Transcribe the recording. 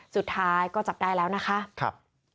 สุดท้ายก็จับได้แล้วนะคะ